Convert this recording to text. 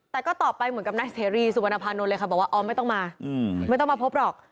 แต่ก็ตอบไปเหมือนกับนายเสรีสุวรรณภานนท์เลยค่ะบอกว่าอ๋อไม่ต้องมาไม่ต้องมาพบหรอก